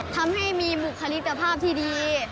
ทำให้มีบุคลิกภาพที่ดี